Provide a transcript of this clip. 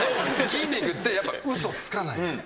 筋肉ってやっぱ嘘つかないんですよ。